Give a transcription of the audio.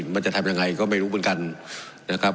มันจะทำยังไงก็ไม่รู้เหมือนกันนะครับ